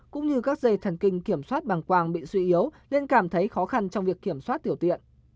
cũng như các dây thần kinh kiểm soát bằng quang bị suy yếu nên cảm thấy khó khăn trong việc kiểm soát tiểu tiện